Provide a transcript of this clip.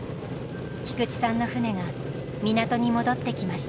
菊地さんの船が港に戻ってきました。